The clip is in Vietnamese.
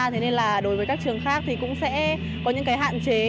thế nên là đối với các trường khác thì cũng sẽ có những cái hạn chế